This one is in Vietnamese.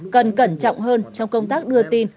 cần cẩn trọng hơn trong công tác đưa tin